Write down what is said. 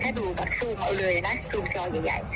ถ้าดูจุมเอาเลยจุมจอใหญ่